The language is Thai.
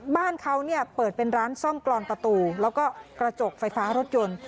บ้านเขาเนี่ยเปิดเป็นร้านซ่อมกรอนประตูแล้วก็กระจกไฟฟ้ารถยนต์